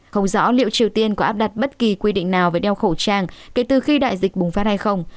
không rõ liệu triều tiên có áp đặt bất kỳ quy định nào về đeo khẩu trang kể từ khi đại dịch bùng phát hay không